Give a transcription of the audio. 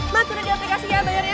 mas udah di aplikasi ya panger ya